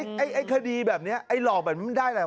ไอ้ไอ้ไอ้คดีแบบเนี้ยไอ้หลอกแบบนี้มันได้อะไรวะ